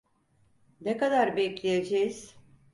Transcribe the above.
Ne kadar bekleyeceğiz?